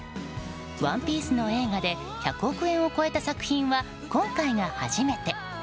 「ＯＮＥＰＩＥＣＥ」の映画で１００億円を超えた作品は今回が初めて。